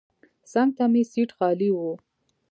څنګ ته مې سیټ خالي و.